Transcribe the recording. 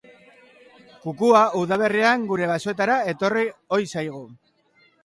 Kukua udaberrian gure basoetara etorri ohi zaigu.